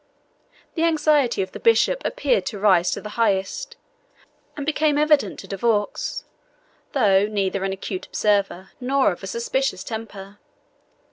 The anxiety of the bishop appeared to rise to the highest, and became evident to De Vaux, though, neither an acute observer nor of a suspicious temper.